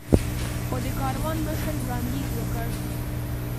خو د کاروان مشر وړاندیز وکړ.